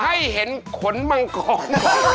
ให้เห็นขนมังกร